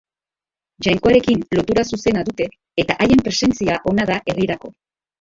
Jainkoarekin lotura zuzena dute eta haien presentzia ona da herrirako.